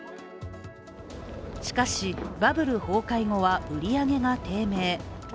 しかし、バブル崩壊後は売り上げが低迷。